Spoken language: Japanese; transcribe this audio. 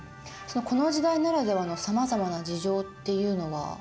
この時代ならではの様々な事情っていうのは。